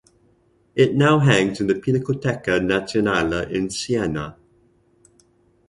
It now hangs in the Pinacoteca Nazionale in Siena.